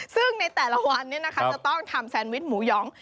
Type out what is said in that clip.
ซึ่งในแต่ละวันจะต้องทำแซนวิชหมูหยอง